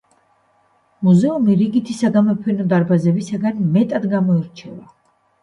მუზეუმი რიგითი საგამოფენო დარბაზებისგან მეტად გამოირჩევა.